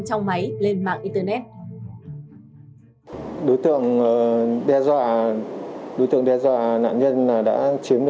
trong máy lên mạng internet